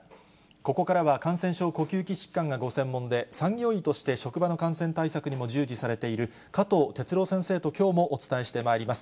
ここからは感染症、呼吸器疾患がご専門で、産業医として職場の感染対策にも従事されている、加藤哲朗先生ときょうもお伝えしてまいります。